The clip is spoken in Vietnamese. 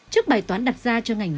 trước bài toán đặt ra